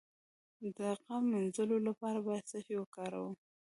د غم د مینځلو لپاره باید څه شی وکاروم؟